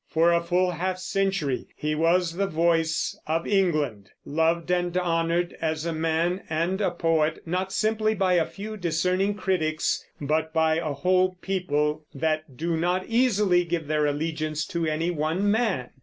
For a full half century he was the voice of England, loved and honored as a man and a poet, not simply by a few discerning critics, but by a whole people that do not easily give their allegiance to any one man.